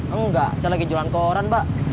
enggak saya lagi jualan koran mbak